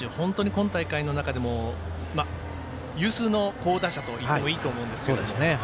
今大会の中でも有数の好打者といってもいいと思うんですけど。